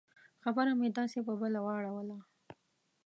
خبره مې داسې په بله واړوله.